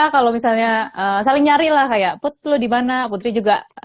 kalau misalnya saling nyari lah kayak put lu dimana putri juga